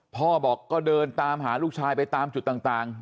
พ่อบอกก็เดินตามหาลูกชายไปตามจุดต่าง